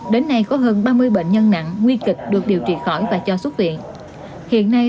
đến nay có hơn ba mươi giường điều trị bệnh nặng